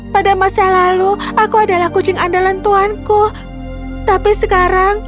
pada masa lalu aku adalah kucing andalan tuanku tapi sekarang